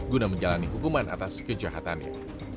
guna menjalani hukuman atas kejahatannya